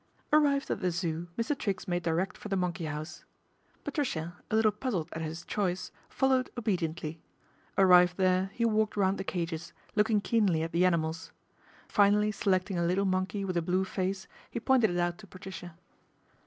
Arrived at the Zoo, Mr. Triggs made direct for the monkey house. Patricia, a little puzzled at his 150 PATRICIA BRENT, SPINSTER choice, followed obediently. Arrived there he walked round the cages, looking keenly at the animals. Finally selecting a little monkey with a blue face, he pointed it out to Patricia.